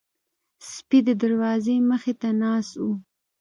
سپي د دروازې مخې ته ناست وو.